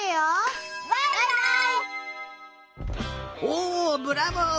おブラボー！